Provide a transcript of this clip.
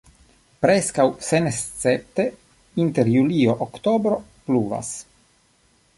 Preskaŭ senescepte inter julio-oktobro pluvas.